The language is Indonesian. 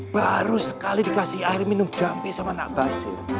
baru sekali dikasih air minum jampi sama nak basir